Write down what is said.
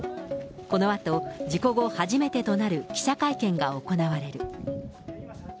このあと、事故後初めてとなる記者会見が行われる。